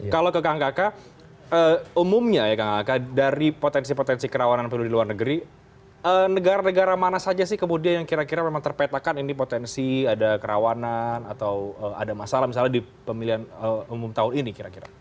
kalau ke kang gakak umumnya dari potensi potensi kerawanan yang perlu di luar negeri negara negara mana saja sih yang kira kira terpetakan ini potensi ada kerawanan atau ada masalah misalnya di pemilihan umum tahun ini kira kira